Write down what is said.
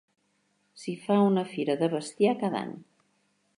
S'hi fa una fira de bestiar cada any.